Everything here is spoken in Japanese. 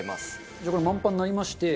じゃあこれ満杯になりまして。